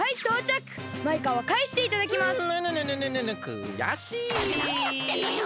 ったくなにやってんのよ！